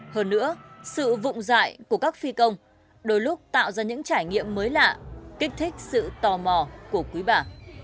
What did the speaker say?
hơn nữa sự vụng dạy của các phi công đôi lúc tạo ra những trải nghiệm mới lạ kích thích sự tò mò của quý bà